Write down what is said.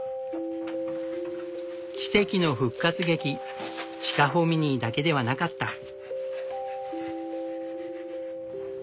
奇跡の復活劇チカホミニーだけではなかった。